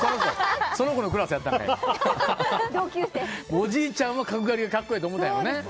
おじいちゃんは角刈りが格好ええと思ったんやろうね。